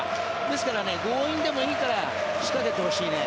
ですから、強引でもいいから仕掛けてほしいね。